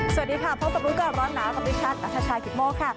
สวัสดีค่ะพบกับรู้เกิดร้อนน้ำของพิชันอัชชายกิกโม้ค่ะ